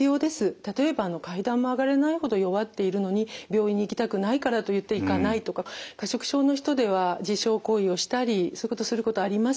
例えば階段も上がれないほど弱っているのに病院に行きたくないからといって行かないとか過食症の人では自傷行為をしたりそういうことすることあります。